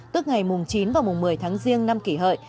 tức ngày chín và một mươi tháng riêng năm kỷ hợi